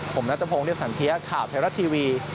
ผมนัทธพงธ์เลียสัญเทียข่าวแฮรดรัดทีวี